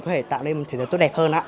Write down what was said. có thể tạo nên một thế giới tốt đẹp hơn ạ